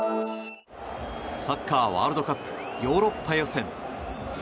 サッカーワールドカップヨーロッパ予選。